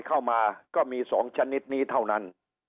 เข้ามาก็มี๒ชนิดนี้เท่านั้น